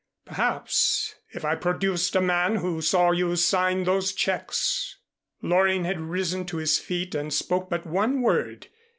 Perhaps, if I produced a man who saw you sign those checks " Loring had risen to his feet and spoke but one word.